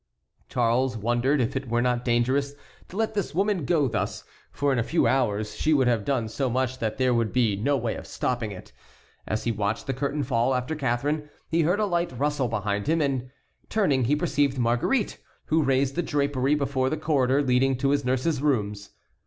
Charles wondered if it were not dangerous to let this woman go thus, for in a few hours she would have done so much that there would be no way of stopping it. As he watched the curtain fall after Catharine, he heard a light rustle behind him, and turning he perceived Marguerite, who raised the drapery before the corridor leading to his nurse's rooms.